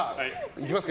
行きますか。